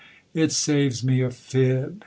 " It saves me a fib !